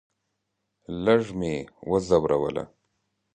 لږه مې وځوروله.